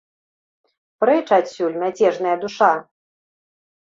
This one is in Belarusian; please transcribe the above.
Прэч адсюль, мяцежная душа!